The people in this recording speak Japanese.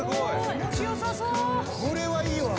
これはいいわ。